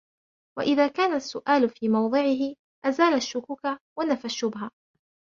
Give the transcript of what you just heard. وَإِذَا كَانَ السُّؤَالُ فِي مَوْضِعِهِ أَزَالَ الشُّكُوكَ وَنَفَى الشُّبْهَةَ